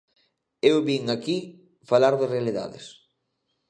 Eu vin aquí falar de realidades.